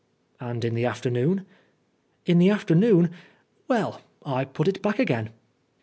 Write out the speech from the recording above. "And in the afternoon?" " In the afternoon well, I put it back again."